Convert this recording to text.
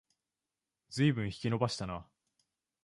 ずいぶん引き延ばしたな